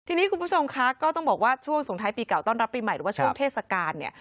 ทีนี้คุณผู้ชมคะก็ต้องบอกว่าช่วงสงท้ายปีเก่าต้อนรับปีใหม่หรือว่าช่วงเทศกาลเนี่ย